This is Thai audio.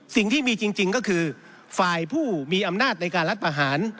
สิ่งที่มีจริงก็คือฝ่ายผู้มีอำนาจในการรัฐประหาร